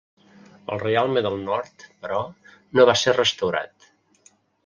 El reialme del Nord, però, no va ser restaurat.